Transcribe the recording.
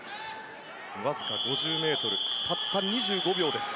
わずか５０ｍたった２５秒です。